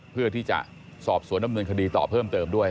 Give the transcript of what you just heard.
เพื่อที่จะสอบสวนดำเนินคดีต่อเพิ่มเติมด้วย